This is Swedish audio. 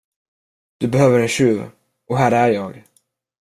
Du behöver en tjuv, och här är jag.